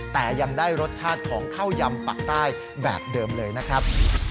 แต่ยังได้รสชาติของข้าวยำปากใต้แบบเดิมเลยนะครับ